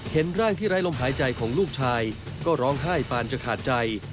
เห็นร่างที่ไร้ลมหายใจของลูกชายก็ร้องไห้ปานจะขาดใจ